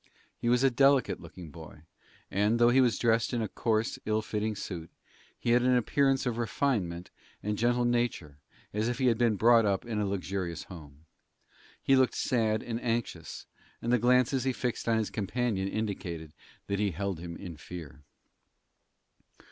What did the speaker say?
He was a delicate looking boy, and, though he was dressed in a coarse, ill fitting suit, he had an appearance of refinement and gentle nature, as if he had been brought up in a luxurious home. He looked sad and anxious, and the glances he fixed on his companion indicated that he held him in fear.